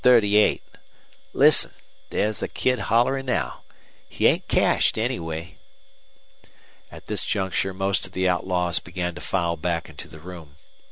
Listen! There's the Kid hollerin' now. He ain't cashed, anyway." At this juncture most of the outlaws began to file back into the room.